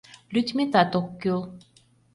Лӱдметат ок кӱл...